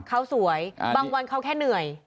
เขาสวยบางวันเขาแค่เหนื่อย